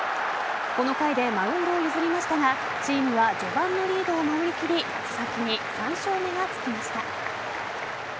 この回でマウンドを譲りましたがチームは序盤のリードを守り切り佐々木に３勝目がつきました。